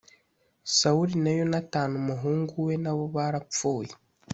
Sawuli na Yonatani umuhungu we na bo barapfuye”